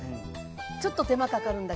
ちょっと手間かかるんだけど。